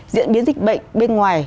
diễn biến dịch bệnh bên ngoài